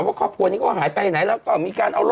พี่หนุ่มใส่เยอะมาก